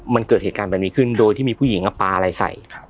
มันเกิดเหตุการณ์แบบนี้ขึ้นโดยที่มีผู้หญิงปลาอะไรใส่